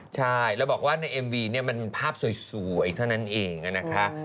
ใช่แล้วบอกว่าในเอ็มวีเนี่ยมันภาพสวยเท่านั้นเองนะคะ